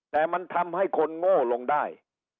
แต่มันทำให้คนโง่ลงได้